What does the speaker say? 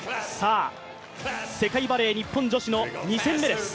世界バレー日本女子の２戦目です。